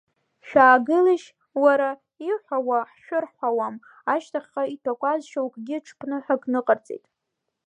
Шәаагылишь, уара, ииҳәауа ҳшәырҳауам, ашьҭахьҟа итәақәаз шьоукгьы ҽԥныҳәақәак ныҟарҵеит.